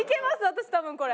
私多分これ。